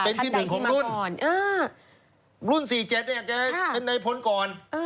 เป็นที่หนึ่งของรุ่นรุ่น๔๗เนี่ยเป็นในพ้นก่อน